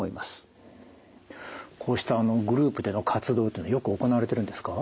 こうしたグループでの活動というのはよく行われてるんですか？